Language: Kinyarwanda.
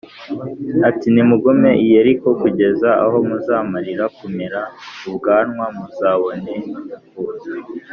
ati “Nimugume i Yeriko kugeza aho muzamarira kumera ubwanwa, muzabone kuza.”